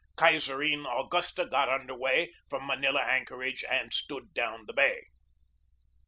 Kaiserin Augusta got under way from Ma nila anchorage and stood down the bay.